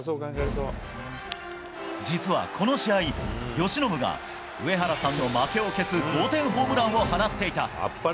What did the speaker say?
実はこの試合、由伸が上原さんの負けを消す同点ホームランを放っていた。